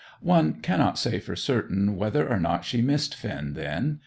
One cannot say for certain whether or not she missed Finn then.